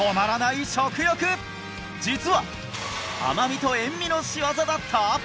実は甘味と塩味の仕業だった！？